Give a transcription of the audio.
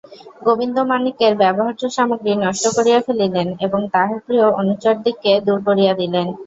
গোবিন্দমাণিক্যের ব্যবহার্য সামগ্রী নষ্ট করিয়া ফেলিলেন এবং তাঁহার প্রিয় অনুচরদিগকে দূর করিয়া দিলেন।